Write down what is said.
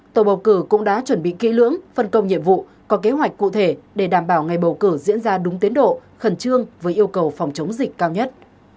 tổ bầu cử cũng đã chuẩn bị kỹ lưỡng phân công nhiệm vụ có kế hoạch cụ thể để đảm bảo ngày bầu cử diễn ra đúng tiến độ khẩn trương với yêu cầu phòng chống dịch cao nhất